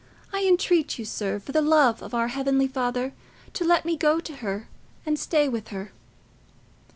I entreat you, sir, for the love of our heavenly Father, to let me go to her and stay with her."